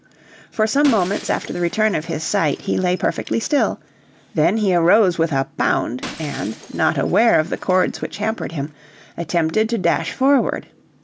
For some moments after the return of his sight he lay perfectly still, then he arose with a bound and, not aware of the cords which hampered him, attempted to dash forward.